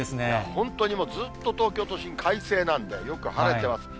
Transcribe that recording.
本当にもう、ずっと東京都心、快晴なんで、よく晴れてます。